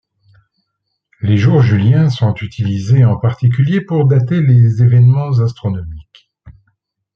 Les jours juliens sont utilisés en particulier pour dater les événements astronomiques.